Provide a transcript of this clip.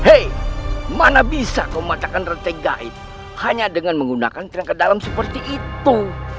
hei mana bisa kau mematakan rantai gaib hanya dengan menggunakan terangkat dalam seperti itu